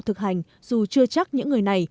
thực hành dù chưa chắc những người này